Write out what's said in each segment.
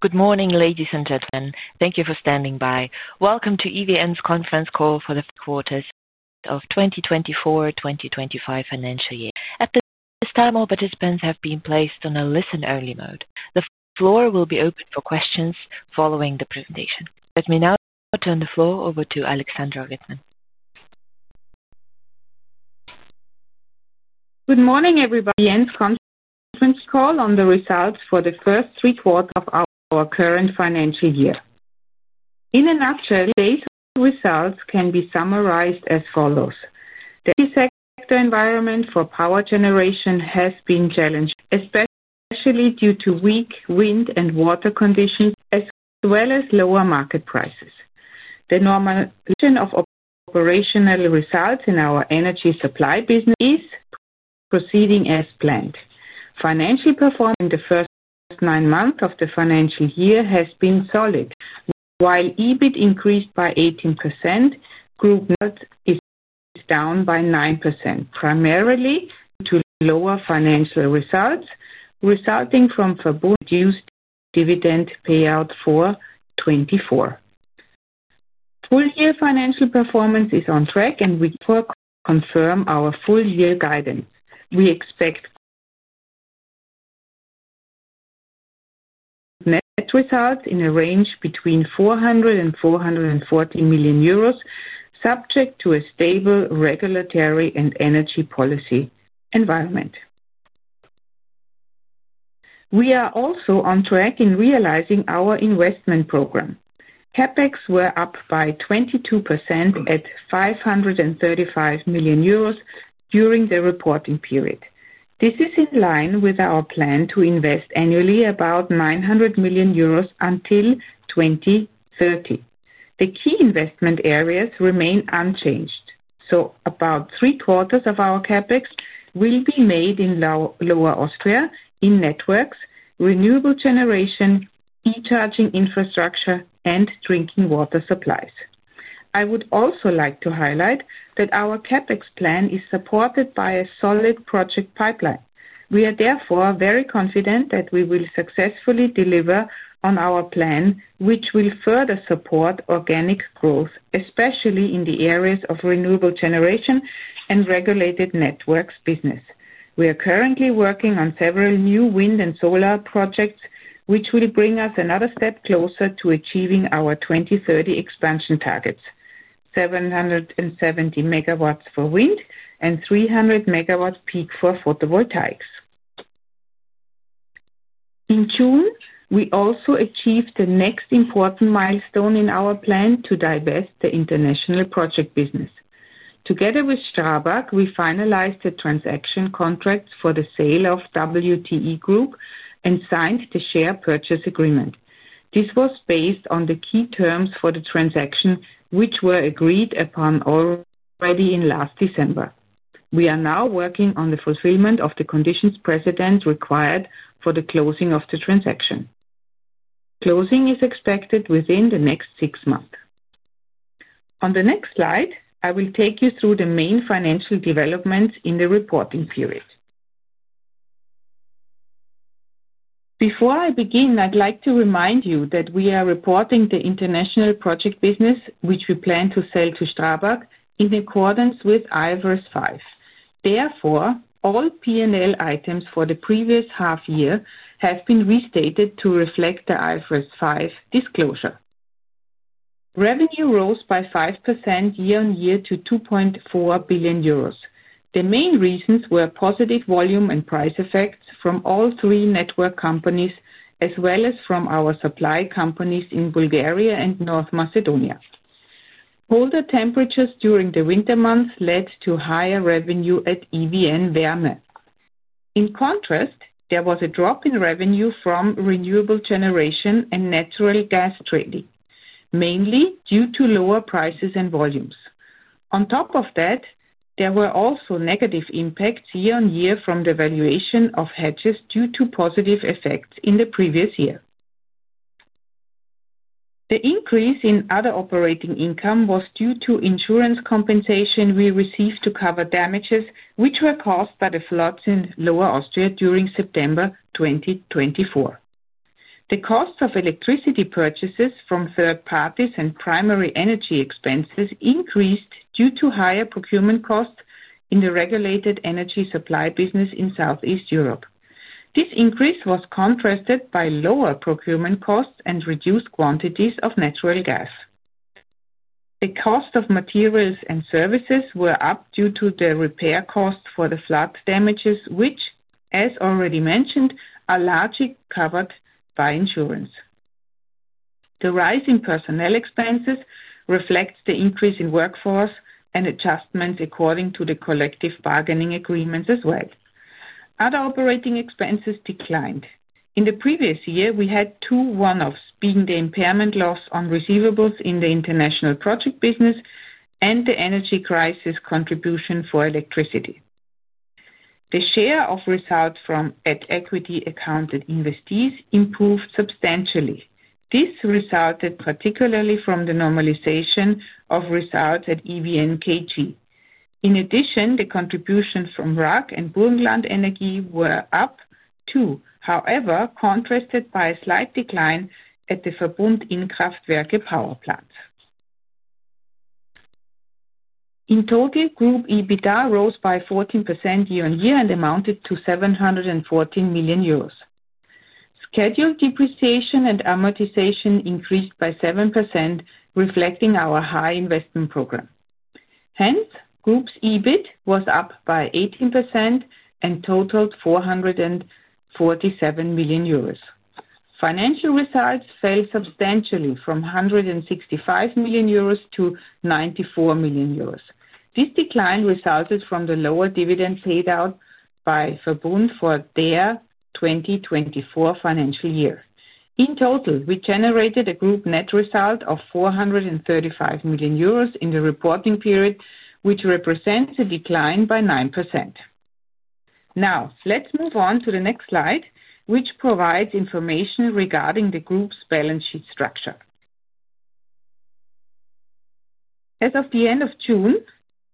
Good morning, ladies and gentlemen. Thank you for standing by. Welcome to EVN Conference Call for the Quarters of the 2024-2025 Financial Year. At this time, all participants have been placed on a listen-only mode. The floor will be open for questions following the presentation. Let me now turn the floor over to Alexandra Wittmann. Good morning, everyone. EVN's Conference Call on the Results for the First Three Quarters of our Current Financial Year. In a nutshell, today's results can be summarized as follows: the sector environment for power generation has been challenged, especially due to weak wind and water conditions, as well as lower market prices. The normalization of operational results in our energy supply business is proceeding as planned. Financial performance in the first nine months of the financial year has been solid. While EBIT increased by 18%, Group net result is down by 9%, primarily due to lower financial results resulting from forbidden use dividend payout for 2024. Full-year financial performance is on track, and we confirm our full-year guidance. We expect net results in a range between 400 million euros and 440 million euros, subject to a stable regulatory and energy policy environment. We are also on track in realizing our investment program. CapEx were up by 22% at 535 million euros during the reporting period. This is in line with our plan to invest annually about 900 million euros until 2030. The key investment areas remain unchanged. About three-quarters of our CapEx will be made in Lower Austria in networks, renewable generation, e-charging infrastructure, and drinking water supplies. I would also like to highlight that our CapEx plan is supported by a solid project pipeline. We are therefore very confident that we will successfully deliver on our plan, which will further support organic growth, especially in the areas of renewable generation and regulated networks business. We are currently working on several new wind and solar projects, which will bring us another step closer to achieving our 2030 expansion targets: 770 MW for wind and 300 MW peak for photovoltaics. In June, we also achieved the next important milestone in our plan to divest the international project business. Together with STRABAG, we finalized the transaction contracts for the sale of WTE Group and signed the share purchase agreement. This was based on the key terms for the transaction, which were agreed upon already in last December. We are now working on the fulfillment of the conditions precedent required for the closing of the transaction. Closing is expected within the next six months. On the next slide, I will take you through the main financial developments in the reporting period. Before I begin, I'd like to remind you that we are reporting the international project business, which we plan to sell to STRABAG, in accordance with IFRS 5. Therefore, all P&L items for the previous half year have been restated to reflect the IFRS 5 disclosure. Revenue rose by 5% year-on-year to 2.4 billion euros. The main reasons were positive volume and price effects from all three network companies, as well as from our supply companies in Bulgaria and North Macedonia. Colder temperatures during the winter months led to higher revenue at EVN Wärme. In contrast, there was a drop in revenue from renewable generation and natural gas trading, mainly due to lower prices and volumes. On top of that, there were also negative impacts year-on-year from the valuation of hedges due to positive effects in the previous year. The increase in other operating income was due to insurance compensation we received to cover damages, which were caused by the floods in Lower Austria during September 2024. The cost of electricity purchases from third parties and primary energy expenses increased due to higher procurement costs in the regulated energy supply business in Southeast Europe. This increase was contrasted by lower procurement costs and reduced quantities of natural gas. The cost of materials and services was up due to the repair costs for the flood damages, which, as already mentioned, are largely covered by insurance. The rise in personnel expenses reflects the increase in workforce and adjustments according to the collective bargaining agreements as well. Other operating expenses declined. In the previous year, we had two one-offs, being the impairment loss on receivables in the international project business and the energy crisis contribution for electricity. The share of results from equity-accounted investees improved substantially. This resulted particularly from the normalization of results at EVN KG. In addition, the contributions from RAG and Burgenland Energy were up too, however, contrasted by a slight decline at the VERBUND Innkraftwerke power plant. In total, Group EBITDA rose by 14% year-on-year and amounted to 714 million euros. Scheduled depreciation and amortization increased by 7%, reflecting our high investment program. Hence, Group EBIT was up by 18% and totaled 447 million euros. Financial results fell substantially from 165 million euros to 94 million euros. This decline resulted from the lower dividend paid out by VERBUND for their 2024 financial year. In total, we generated a group net result of 435 million euros in the reporting period, which represents a decline by 9%. Now, let's move on to the next slide, which provides information regarding the group's balance sheet structure. As of the end of June,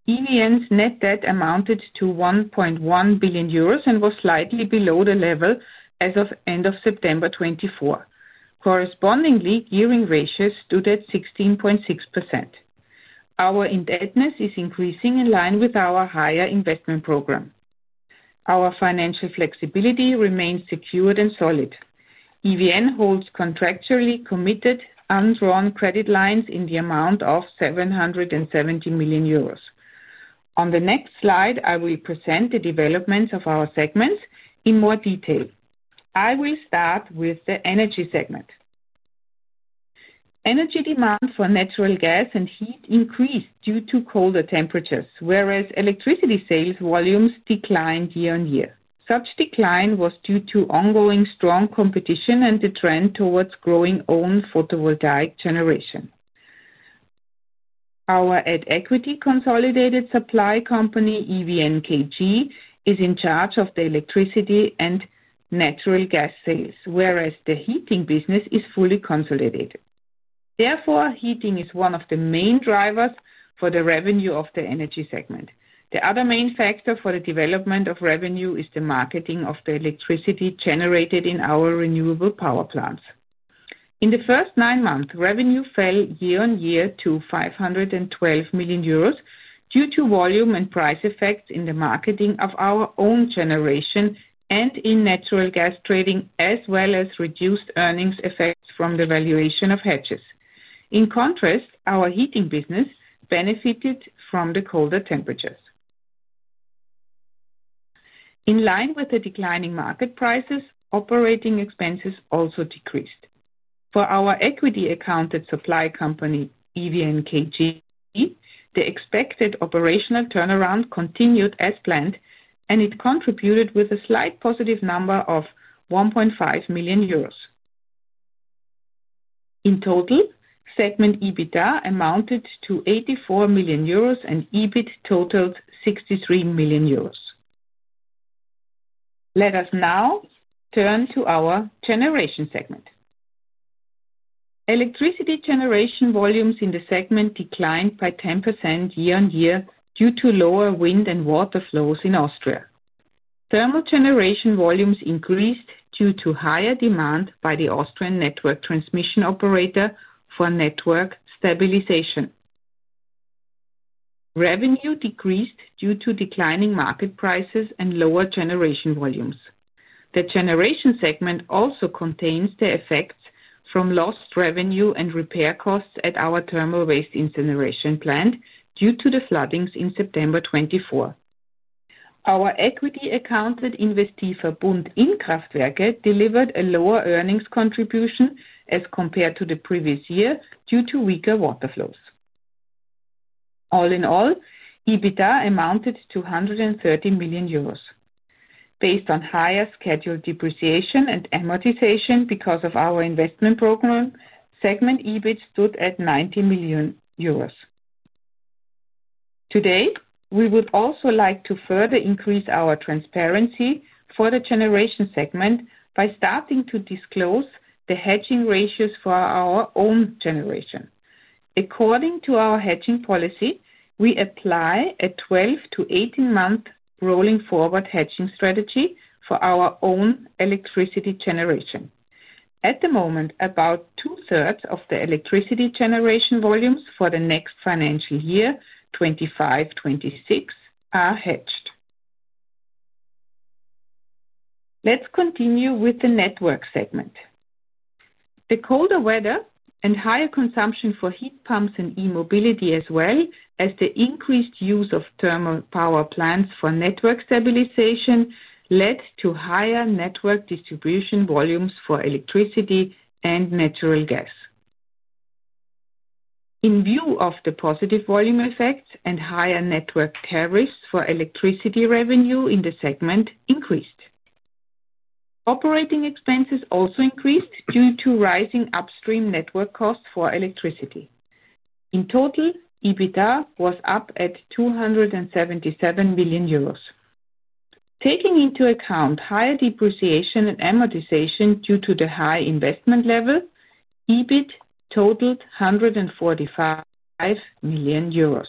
EVN's net debt amounted to 1.1 billion euros and was slightly below the level as of the end of September 2024. Correspondingly, gearing ratios stood at 16.6%. Our indebtedness is increasing in line with our higher investment program. Our financial flexibility remains secured and solid. EVN holds contractually committed undrawn credit lines in the amount of 770 million euros. On the next slide, I will present the developments of our segments in more detail. I will start with the energy segment. Energy demand for natural gas and heat increased due to colder temperatures, whereas electricity sales volumes declined year-on-year. Such decline was due to ongoing strong competition and the trend towards growing own photovoltaic generation. Our equity consolidated supply company, EVN KG, is in charge of the electricity and natural gas sales, whereas the heating business is fully consolidated. Therefore, heating is one of the main drivers for the revenue of the energy segment. The other main factor for the development of revenue is the marketing of the electricity generated in our renewable power plants. In the first nine months, revenue fell year-on-year to 512 million euros due to volume and price effects in the marketing of our own generation and in natural gas trading, as well as reduced earnings effects from the valuation of hedges. In contrast, our heating business benefited from the colder temperatures. In line with the declining market prices, operating expenses also decreased. For our equity accounted supply company, EVN KG, the expected operational turnaround continued as planned, and it contributed with a slight positive number of 1.5 million euros. In total, segment EBITDA amounted to 84 million euros and EBIT totaled 63 million euros. Let us now turn to our generation segment. Electricity generation volumes in the segment declined by 10% year-on-year due to lower wind and water flows in Austria. Thermal generation volumes increased due to higher demand by the Austrian network transmission operator for network stabilization. Revenue decreased due to declining market prices and lower generation volumes. The generation segment also contains the effects from lost revenue and repair costs at our thermal waste incineration plant due to the flooding in September 2024. Our equity-accounted investee VERBUND Kraftwerke delivered a lower earnings contribution as compared to the previous year due to weaker water flows. All in all, EBITDA amounted to 130 million euros. Based on higher scheduled depreciation and amortization because of our investment program, segment EBIT stood at 90 million euros. Today, we would also like to further increase our transparency for the generation segment by starting to disclose the hedging ratios for our own generation. According to our hedging policy, we apply a 12 month-18 month rolling forward hedging strategy for our own electricity generation. At the moment, about two-thirds of the electricity generation volumes for the next financial year 2025-2026 are hedged. Let's continue with the network segment. The colder weather and higher consumption for heat pumps and e-mobility, as well as the increased use of thermal power plants for network stabilization, led to higher network distribution volumes for electricity and natural gas. In view of the positive volume effects and higher network tariffs for electricity, revenue in the segment increased. Operating expenses also increased due to rising upstream network costs for electricity. In total, EBITDA was up at 277 million euros. Taking into account higher depreciation and amortization due to the high investment level, EBIT totaled 145 million euros.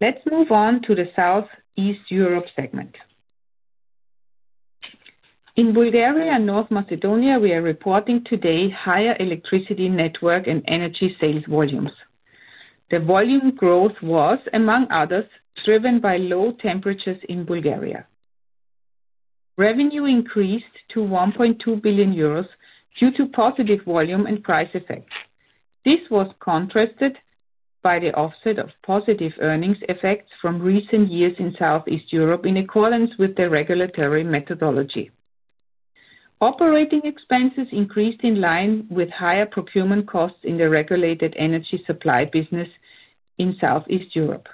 Let's move on to the Southeast Europe segment. In Bulgaria and North Macedonia, we are reporting today higher electricity network and energy sales volumes. The volume growth was, among others, driven by low temperatures in Bulgaria. Revenue increased to 1.2 billion euros due to positive volume and price effects. This was contrasted by the offset of positive earnings effects from recent years in Southeast Europe in accordance with the regulatory methodology. Operating expenses increased in line with higher procurement costs in the regulated energy supply business in Southeast Europe.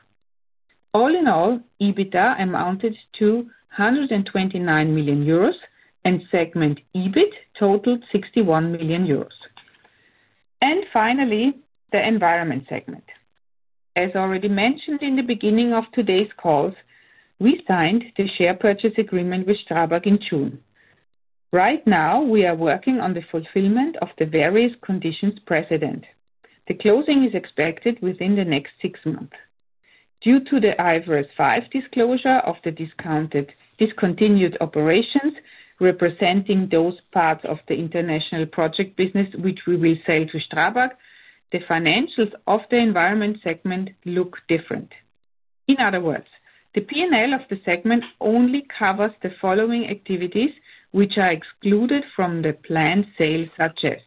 All in all, EBITDA amounted to 129 million euros and segment EBIT totaled 61 million euros. Finally, the environment segment. As already mentioned in the beginning of today's call, we signed the share purchase agreement with STRABAG in June. Right now, we are working on the fulfillment of the various conditions precedent. The closing is expected within the next six months. Due to the IFRS 5 disclosure of the discontinued operations representing those parts of the international project business which we will sell to STRABAG, the financials of the Environment segment look different. In other words, the P&L of the segment only covers the following activities which are excluded from the planned sales, such as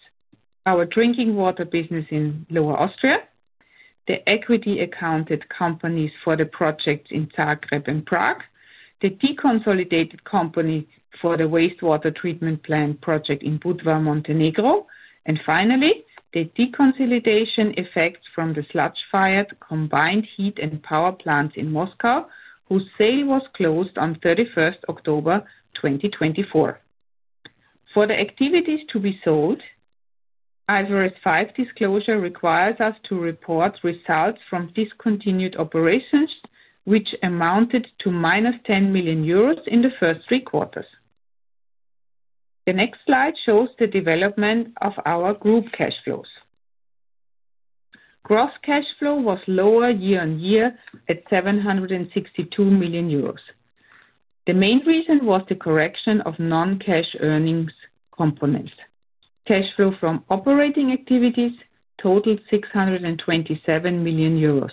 our drinking water business in Lower Austria, the equity-accounted companies for the projects in Zagreb and Prague, the deconsolidated company for the wastewater treatment plant project in Budva, Montenegro, and finally, the deconsolidation effects from the sludge-fired combined heat and power plants in Moscow, whose sale was closed on October 31st, 2024. For the activities to be sold, IFRS 5 disclosure requires us to report results from discontinued operations, which amounted to -10 million euros in the first three quarters. The next slide shows the development of our group cash flows. Gross cash flow was lower year-on-year at 762 million euros. The main reason was the correction of non-cash earnings components. Cash flow from operating activities totaled 627 million euros.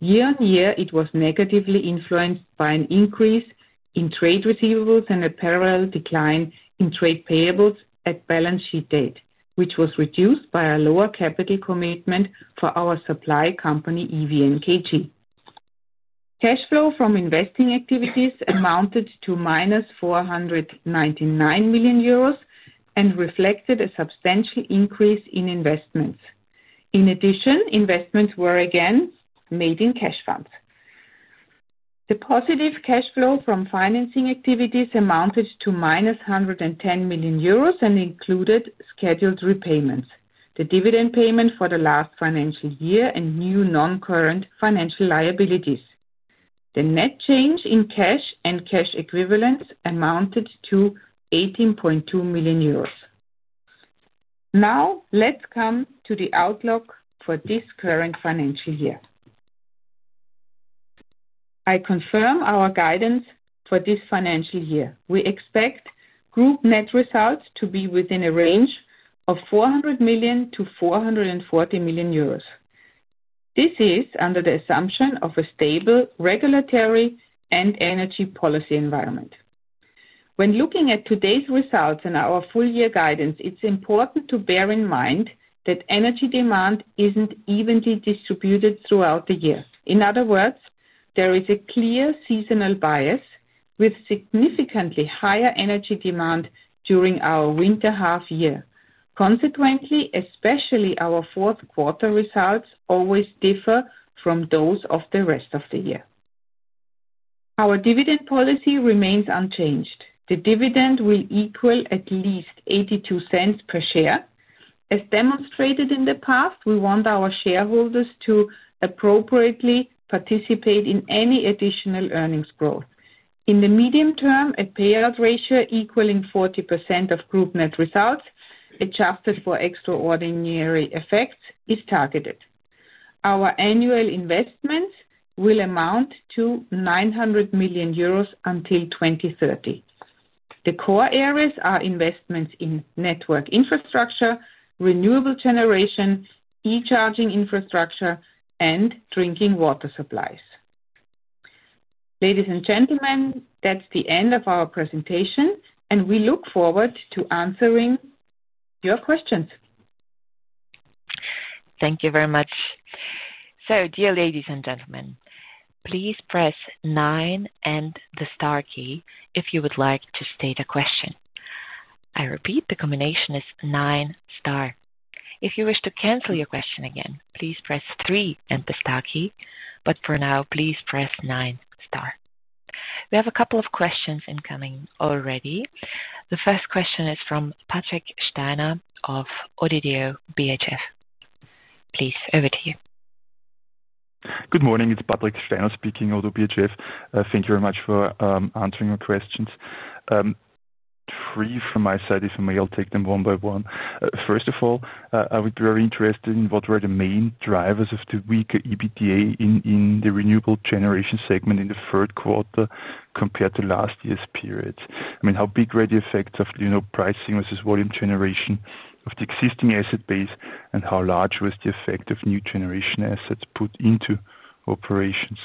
Year-on-year, it was negatively influenced by an increase in trade receivables and a parallel decline in trade payables at balance sheet date, which was reduced by a lower capital commitment for our supply company, EVN KG. Cash flow from investing activities amounted to -499 million euros and reflected a substantial increase in investments. In addition, investments were again made in cash funds. The positive cash flow from financing activities amounted to -110 million euros and included scheduled repayments, the dividend payment for the last financial year, and new non-current financial liabilities. The net change in cash and cash equivalents amounted to 18.2 million euros. Now, let's come to the outlook for this current financial year. I confirm our guidance for this financial year. We expect group net results to be within a range of 400 million-440 million euros. This is under the assumption of a stable regulatory and energy policy environment. When looking at today's results and our full-year guidance, it's important to bear in mind that energy demand isn't evenly distributed throughout the year. In other words, there is a clear seasonal bias with significantly higher energy demand during our winter half year. Consequently, especially our fourth quarter results always differ from those of the rest of the year. Our dividend policy remains unchanged. The dividend will equal at least $0.82 per share. As demonstrated in the past, we want our shareholders to appropriately participate in any additional earnings growth. In the medium term, a payout ratio equaling 40% of group net results, adjusted for extraordinary effects, is targeted. Our annual investments will amount to 900 million euros until 2030. The core areas are investments in network infrastructure, renewable generation, e-charging infrastructure, and drinking water supplies. Ladies and gentlemen, that's the end of our presentation, and we look forward to answering your questions. Thank you very much. Dear ladies and gentlemen, please press nine and the star key if you would like to state a question. I repeat, the combination is nine star. If you wish to cancel your question again, please press three and the star key. For now, please press nine star. We have a couple of questions incoming already. The first question is from Patrick Steiner of ODDO BHF. Please, over to you. Good morning, it's Patrick Steiner speaking, ODDO BHF. Thank you very much for answering our questions. Three from my side if I may, I'll take them one by one. First of all, I would be very interested in what were the main drivers of the weaker EBITDA in the renewable generation segment in the third quarter compared to last year's periods. I mean, how big were the effects of pricing versus volume generation of the existing asset base, and how large was the effect of new generation assets put into operations?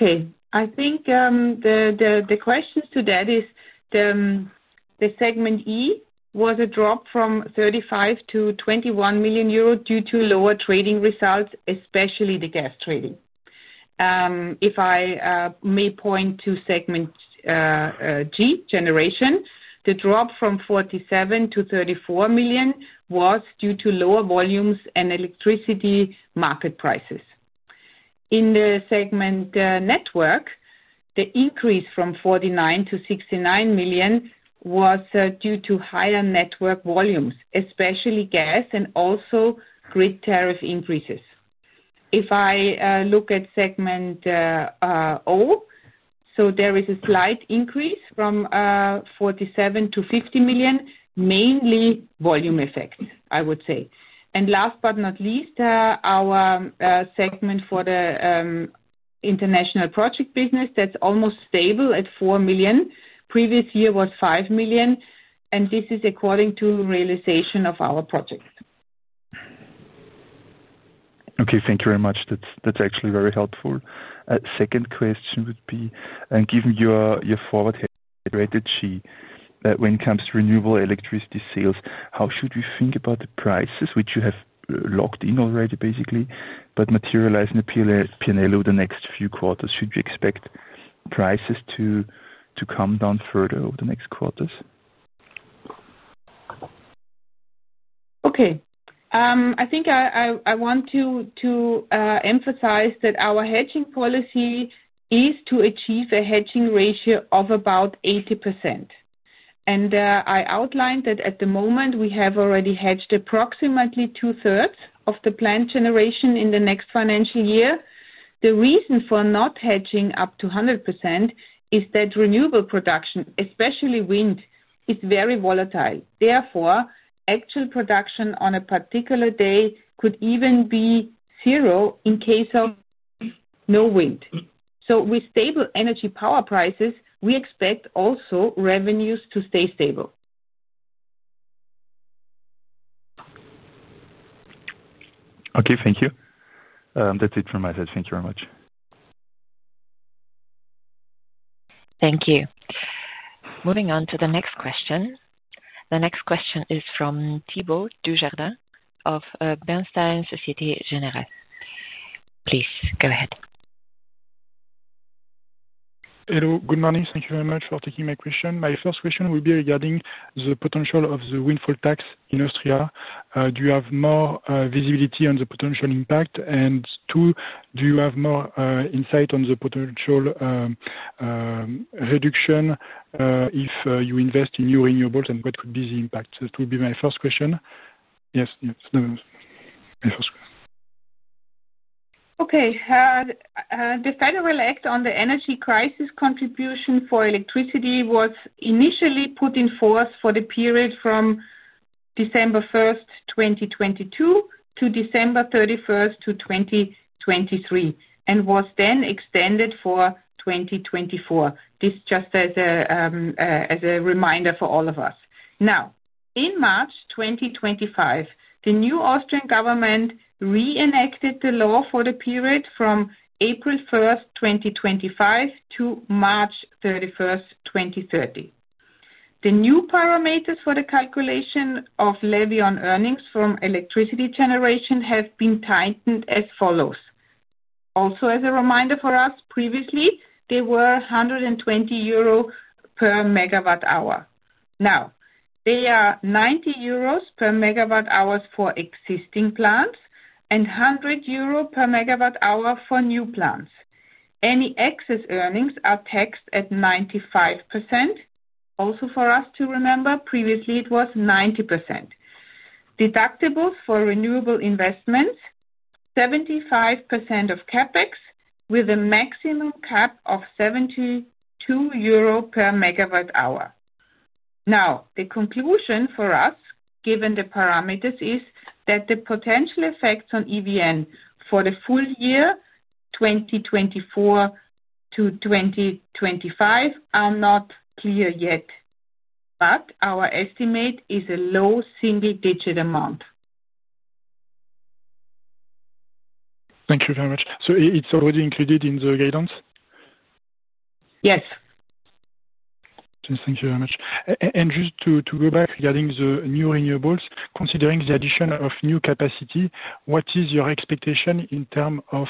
Okay, I think the question to that is the segment E was a drop from 35 million to 21 million euro due to lower trading results, especially the gas trading. If I may point to segment G, generation, the drop from 47 million to 34 million was due to lower volumes and electricity market prices. In the segment network, the increase from 49 million to 69 million was due to higher network volumes, especially gas, and also grid tariff increases. If I look at segment O, there is a slight increase from 47 million to 50 million, mainly volume effects, I would say. Last but not least, our segment for the international project business is almost stable at 4 million. Previous year was 5 million, and this is according to the realization of our project. Okay, thank you very much. That's actually very helpful. A second question would be, given your forward-hedged regarding when it comes to renewable electricity sales, how should we think about the prices, which you have locked in already, basically, but materialize in the P&L over the next few quarters? Should we expect prices to come down further over the next quarters? Okay, I think I want to emphasize that our hedging policy is to achieve a hedging ratio of about 80%. I outlined that at the moment, we have already hedged approximately two-thirds of the planned generation in the next financial year. The reason for not hedging up to 100% is that renewable production, especially wind, is very volatile. Therefore, actual production on a particular day could even be zero in case of no wind. With stable energy power prices, we expect also revenues to stay stable. Okay, thank you. That's it from my side. Thank you very much. Thank you. Moving on to the next question. The next question is from Thibault Dujardin of Bernstein Société Générale. Please, go ahead. Hello, good morning. Thank you very much for taking my question. My first question will be regarding the potential of the windfall tax in Austria. Do you have more visibility on the potential impact? Do you have more insight on the potential reduction if you invest in new renewables, and what could be the impact? That would be my first question. Okay. The federal act on the energy crisis contribution for electricity was initially put in force for the period from December 1st, 2022, to December 31st, 2023, and was then extended for 2024. This is just as a reminder for all of us. In March 2025, the new Austrian government reenacted the law for the period from April 1st, 2025, to March 31st, 2030. The new parameters for the calculation of levy on earnings from electricity generation have been tightened as follows. Also, as a reminder for us, previously, they were 120 euro per megawatt hour. Now, they are 90 euros per megawatt hour for existing plants and 100 euro per megawatt hour for new plants. Any excess earnings are taxed at 95%. Also, for us to remember, previously, it was 90%. Deductibles for renewable investments, 75% of CapEx, with a maximum cap of 72 euro per megawatt hour. Now, the conclusion for us, given the parameters, is that the potential effects on EVN for the full year, 2024-2025, are not clear yet. Our estimate is a low single-digit amount. Thank you very much. It's already included in the guidance? Yes. Okay, thank you very much. Just to go back regarding the new renewables, considering the addition of new capacity, what is your expectation in terms of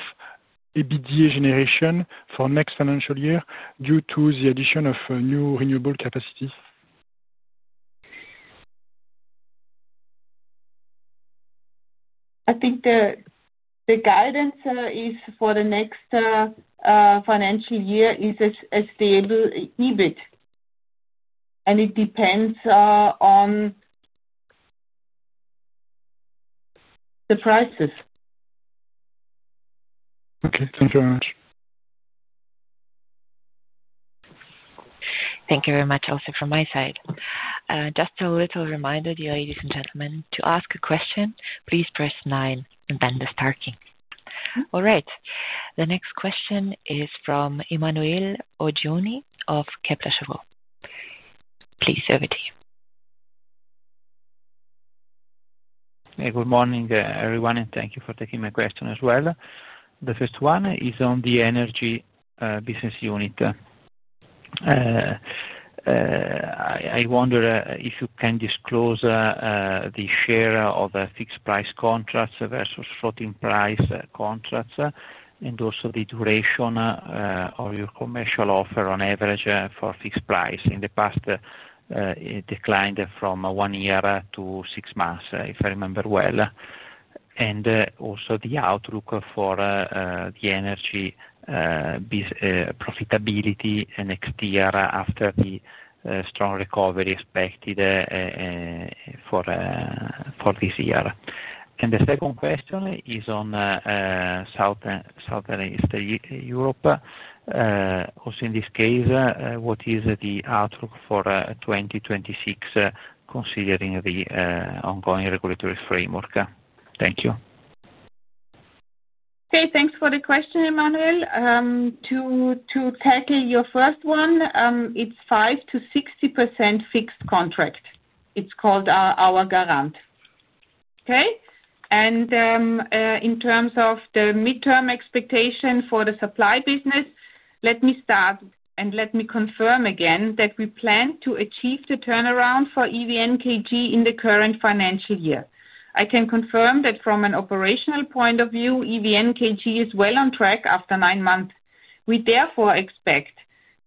EBIT generation for the next financial year due to the addition of new renewable capacity? I think the guidance for the next financial year is a stable EBIT, and it depends on the prices. Okay, thank you very much. Thank you very much also from my side. Just a little reminder, dear ladies and gentlemen, to ask a question, please press nine and then the star key. All right. The next question is from Emanuele Oggioni of Kepler Cheuvreux. Please, over to you. Good morning, everyone, and thank you for taking my question as well. The first one is on the energy business unit. I wonder if you can disclose the share of fixed price contracts versus floating price contracts, and also the duration of your commercial offer on average for fixed price. In the past, it declined from one year to six months, if I remember well. Also, the outlook for the energy profitability next year after the strong recovery expected for this year. The second question is on Southeast Europe. In this case, what is the outlook for 2026 considering the ongoing regulatory framework? Thank you. Okay, thanks for the question, Emmanuel. To tackle your first one, it's 5%-60% fixed contract. It's called our Garant. Okay? In terms of the midterm expectation for the supply business, let me start and let me confirm again that we plan to achieve the turnaround for EVN KG in the current financial year. I can confirm that from an operational point of view, EVN KG is well on track after nine months. We therefore expect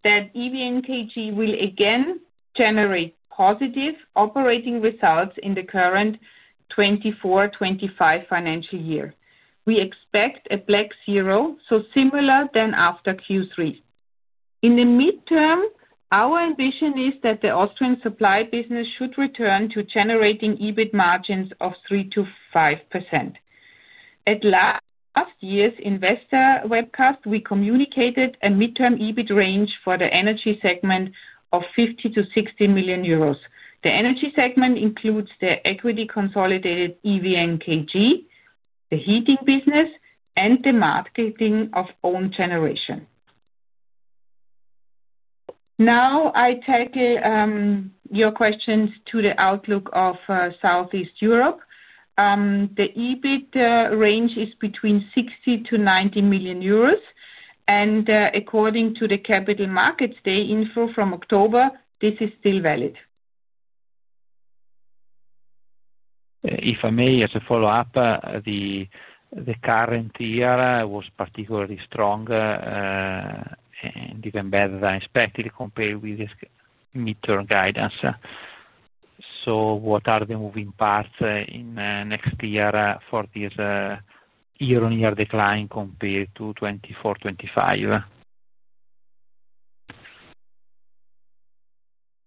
that EVN KG will again generate positive operating results in the current 2024-2025 financial year. We expect a black zero, so similar than after Q3. In the midterm, our ambition is that the Austrian supply business should return to generating EBIT margins of 3%-5%. At last year's investor webcast, we communicated a midterm EBIT range for the energy segment of 50 million-60 million euros. The energy segment includes the equity consolidated EVN KG, the heating business, and the marketing of own generation. Now, I tackle your questions to the outlook of Southeast Europe. The EBIT range is between 60 million-90 million euros. According to the Capital Markets Day info from October, this is still valid. If I may, as a follow-up, the current year was particularly strong and even better than expected compared with this midterm guidance. What are the moving parts in the next year for this year-on-year decline compared to 2024-2025?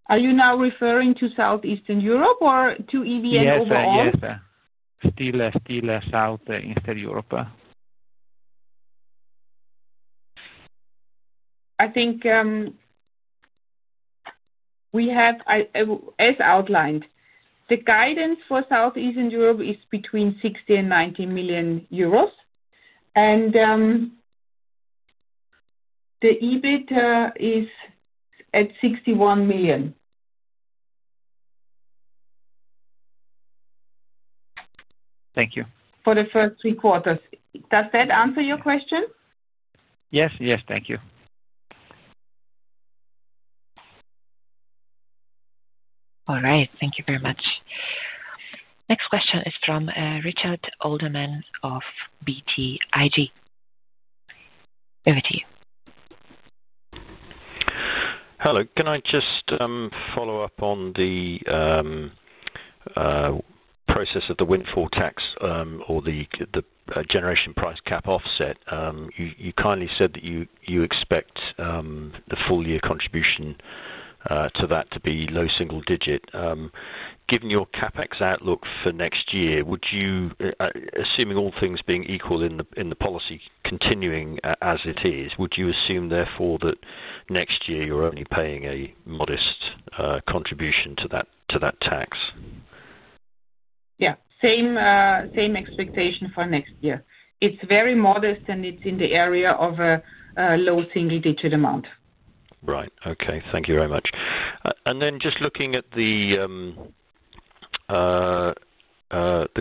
Are you now referring to Southeast Europe or to EVN overall? Yes, still Southeast Europe. I think we have, as outlined, the guidance for Southeast Europe is between 60 million and 90 million euros, and the EBIT is at 61 million. Thank you. For the first three quarters. Does that answer your question? Yes, yes, thank you. All right, thank you very much. Next question is from Richard Alderman of BTIG. Over to you. Hello, can I just follow up on the process of the windfall tax or the generation price cap offset? You kindly said that you expect the full-year contribution to that to be low single digit. Given your CapEx outlook for next year, would you, assuming all things being equal in the policy continuing as it is, would you assume therefore that next year you're only paying a modest contribution to that tax? Yeah, same expectation for next year. It's very modest, and it's in the area of a low single-digit amount. Right, okay, thank you very much. Just looking at the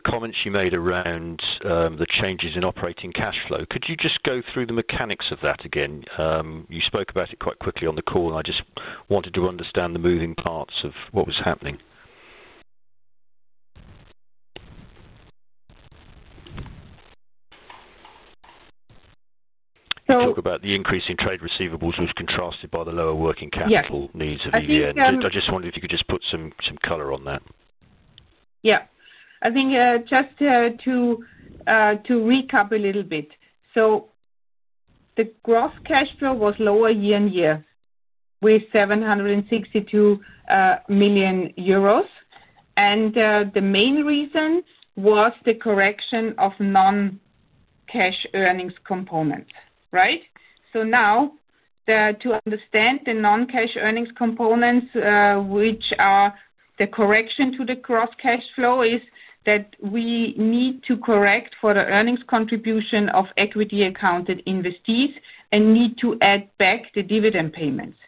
comments you made around the changes in operating cash flow, could you go through the mechanics of that again? You spoke about it quite quickly on the call, and I just wanted to understand the moving parts of what was happening. So. You talk about the increase in trade receivables was contrasted by the lower working capital needs of EVN. Yeah, that's right. I just wondered if you could just put some color on that. Yeah, I think just to recap a little bit. The gross cash flow was lower year-on-year with 762 million euros, and the main reason was the correction of non-cash earnings components, right? To understand the non-cash earnings components, which are the correction to the gross cash flow, we need to correct for the earnings contribution of equity accounted investees and need to add back the dividend payments.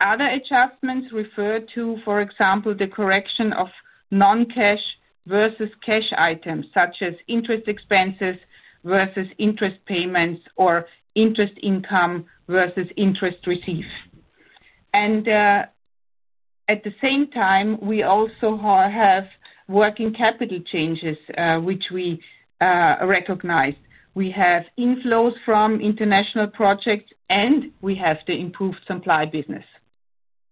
Other adjustments refer to, for example, the correction of non-cash versus cash items, such as interest expenses versus interest payments or interest income versus interest received. At the same time, we also have working capital changes, which we recognized. We have inflows from international projects, and we have the improved supply business.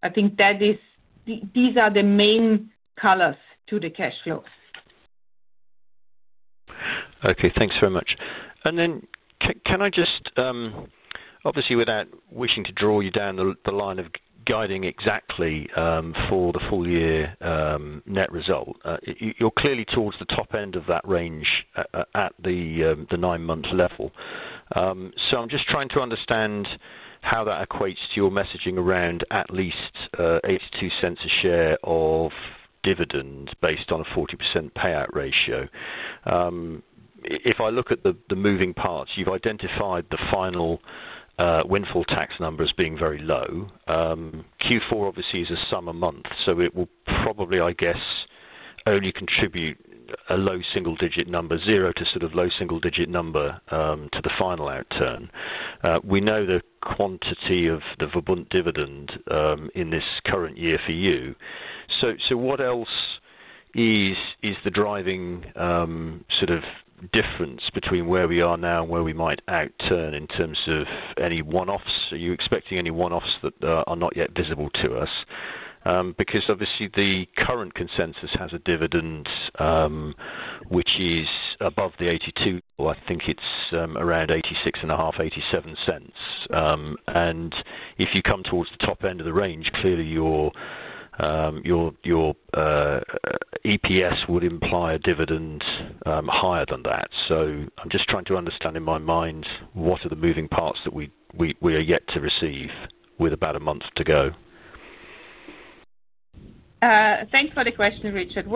I think that is, these are the main colors to the cash flows. Okay, thanks very much. Can I just, obviously, without wishing to draw you down the line of guiding exactly for the full-year net result, you're clearly towards the top end of that range at the nine-month level. I'm just trying to understand how that equates to your messaging around at least $0.82 a share of dividends based on a 40% payout ratio. If I look at the moving parts, you've identified the final windfall tax numbers being very low. Q4, obviously, is a summer month, so it will probably, I guess, only contribute a low single-digit number, zero to sort of low single-digit number to the final outturn. We know the quantity of the VERBUND dividend in this current year for you. What else is the driving sort of difference between where we are now and where we might outturn in terms of any one-offs? Are you expecting any one-offs that are not yet visible to us? Obviously, the current consensus has a dividend which is above the $0.82. I think it's around $0.865, $0.87. If you come towards the top end of the range, clearly your EPS would imply a dividend higher than that. I'm just trying to understand in my mind what are the moving parts that we are yet to receive with about a month to go. Thanks for the question, Richard.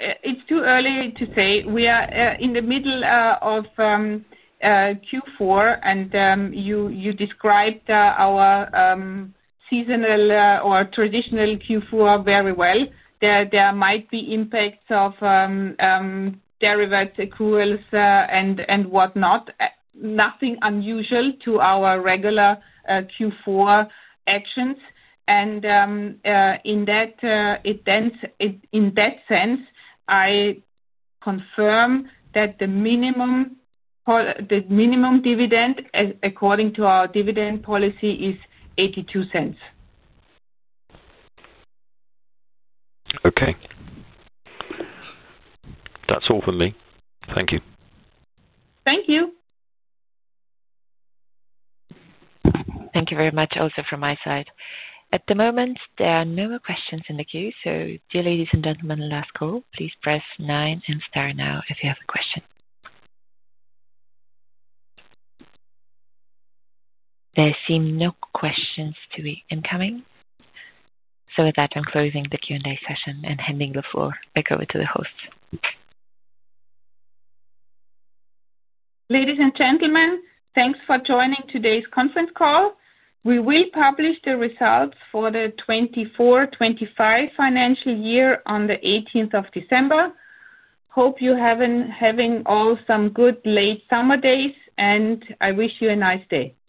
It's too early to say. We are in the middle of Q4, and you described our seasonal or traditional Q4 very well. There might be impacts of derivatives, accruals, and whatnot. Nothing unusual to our regular Q4 actions. In that sense, I confirm that the minimum dividend, according to our dividend policy, is $0.82. Okay, that's all from me. Thank you. Thank you. Thank you very much also from my side. At the moment, there are no more questions in the queue. Dear ladies and gentlemen, last call, please press nine and star now if you have a question. There seem no questions to be incoming. With that, I'm closing the Q&A session and handing the floor back over to the hosts. Ladies and gentlemen, thanks for joining today's conference call. We will publish the results for the 2024-2025 financial year on 18th of December. Hope you're all having some good late summer days, and I wish you a nice day. Good.